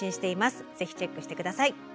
ぜひチェックして下さい。